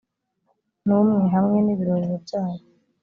n umwe hamwe n ibirorero byayo